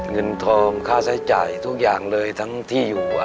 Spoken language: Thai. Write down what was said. เงินทองค่าใช้จ่ายทุกอย่างเลยทั้งที่อยู่